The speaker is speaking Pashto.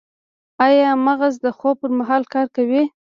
ایا مغز د خوب پر مهال کار کوي؟